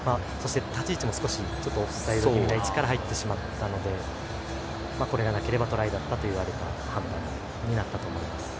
立ち位置もオフサイド気味の位置から入ってしまったのでこれがなければトライだったという判断になったと思います。